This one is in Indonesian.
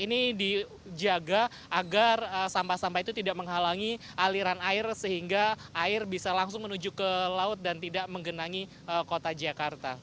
ini dijaga agar sampah sampah itu tidak menghalangi aliran air sehingga air bisa langsung menuju ke laut dan tidak menggenangi kota jakarta